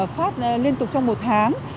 phát liên tục trong một tháng